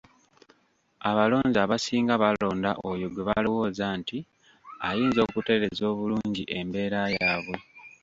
Abalonzi abasinga balonda oyo gwe balowooza nti ayinza okutereeza obulungi embeera yaabwe.